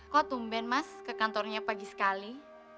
kok tumben mas ke kantornya pagi sekali